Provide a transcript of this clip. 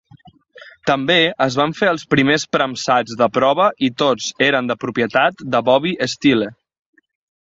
També es van fer els primers premsats de prova i tots eren de propietat de Bobby Steele.